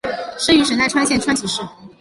生于神奈川县川崎市。